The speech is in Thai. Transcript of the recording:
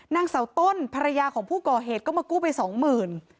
นางเสาต้นภรรยาของผู้ก่อเหตุก็มากู้ไปสองหมื่น